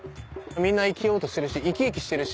みんな生きようとしてるし生き生きしてるし。